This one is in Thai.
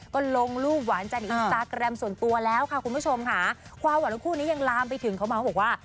ก็ลงรูปหวานใจในอินสตาแกรมส่วนตัวแล้วค่ะคุณผู้ชมค่ะความหวานของคู่นี้ยังลามไปถึงเขามาบอกว่า